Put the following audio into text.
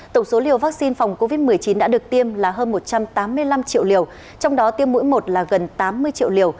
tổng số liều vaccine phòng covid một mươi chín đã được tiêm là hơn một trăm tám mươi năm triệu liều trong đó tiêm mũi một là gần tám mươi triệu liều